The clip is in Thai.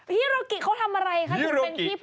ฮิโรกิเขาทำอะไรคะจึงเป็นพี่พูดถึงเมื่อกี้